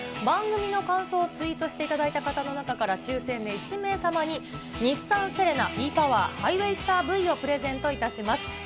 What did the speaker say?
番組の感想をツイートしていただいた方の中から抽せんで１名様に、日産セレナｅーパワーハイウェイスターＶをプレゼントいたします。